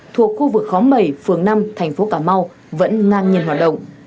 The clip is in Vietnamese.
thuộc khu vực khóm bảy phường năm thành phố cà mau vẫn ngang nhiên hoạt động